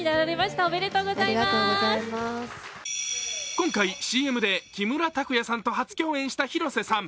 今回、ＣＭで木村拓哉さんと初共演した広瀬さん。